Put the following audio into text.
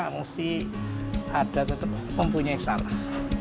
mesti ada tetap mempunyai salah